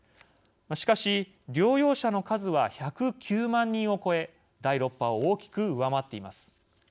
しかし療養者の数は１０９万人を超え第６波を大きく上回っています。